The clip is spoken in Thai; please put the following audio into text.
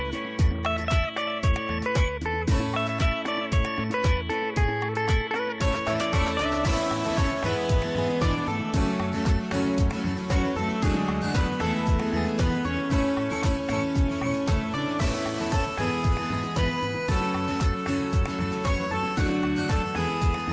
โปรดติดตามตอนต่อไป